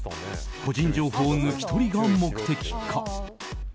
個人情報抜き取りが目的か。